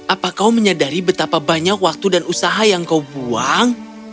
apa kau menyadari betapa banyak waktu dan usaha yang kau buang